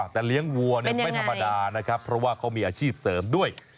แต่เลี้ยงวัวไม่ธรรมดานะครับเพราะว่าเขามีอาชีพเสริมด้วย